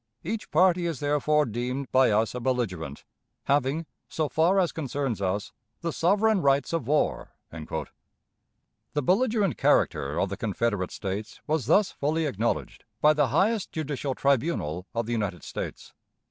Each party is therefore deemed by us a belligerent, having, so far as concerns us, the sovereign rights of war." The belligerent character of the Confederate States was thus fully acknowledged by the highest judicial tribunal of the United States.